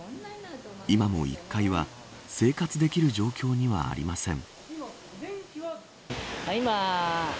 今も１階は生活できる状況にはありません。